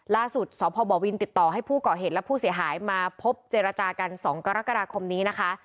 สพบวินติดต่อให้ผู้ก่อเหตุและผู้เสียหายมาพบเจรจากัน๒กรกฎาคมนี้นะคะ